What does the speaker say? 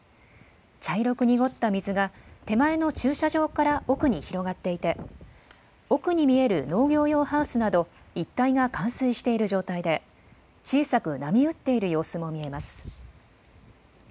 茶色く濁った水が、手前の駐車場から奥に広がっていて、奥に見える農業用ハウスなど、一帯が冠水している状態で、小さく波打っている様子も見えます。